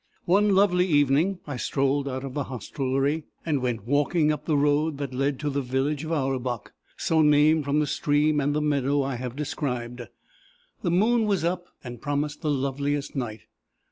"One lovely evening, I strolled out of the hostelry, and went walking up the road that led to the village of Auerbach, so named from the stream and the meadow I have described. The moon was up, and promised the loveliest night.